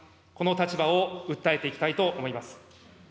この立場を訴えていきたいと思います。